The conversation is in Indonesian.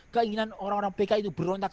keinginan orang orang pki itu berontak